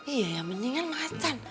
iya ya mendingan macan